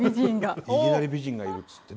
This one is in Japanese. いぎなり美人がいるっつって。